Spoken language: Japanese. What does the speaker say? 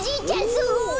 すごい！